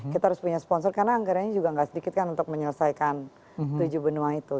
kita harus punya sponsor karena anggarannya juga nggak sedikit kan untuk menyelesaikan tujuh benua itu